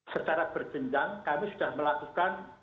secara berjenjang kami sudah melakukan